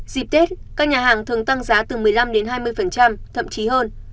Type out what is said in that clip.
dịp tết các nhà hàng thường tăng giá từ một mươi năm đến hai mươi thậm chí hơn